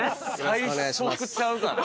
⁉最速ちゃうかな？